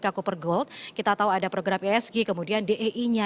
kakuper gold kita tahu ada program isg kemudian dei nya